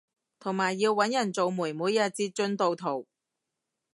同埋要搵人做媒每日截進度圖